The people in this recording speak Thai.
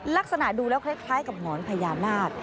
ลักษณะดูแล้วคล้ายกับหมอนพญานาค